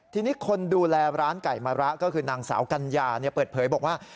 ทีนี้คนดูแลร้านไก่มะระก็คือนางสาวกัญญาเปิดเผยบอกว่า